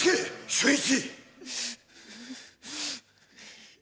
俊一。